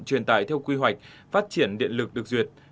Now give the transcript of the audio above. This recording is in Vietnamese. truyền tải theo quy hoạch phát triển điện lực được duyệt